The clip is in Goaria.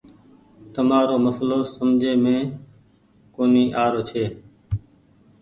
تمآرو مسلو سمجهي مين ڪونيٚ آروڇي۔